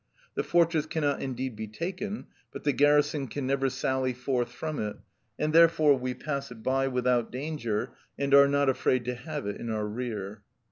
The fortress cannot indeed be taken, but the garrison can never sally forth from it, and therefore we pass it by without danger, and are not afraid to have it in our rear.